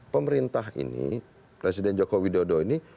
pemerintah ini presiden joko widodo ini